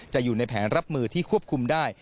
อยู่ในแผนรับมือที่ควบคุมได้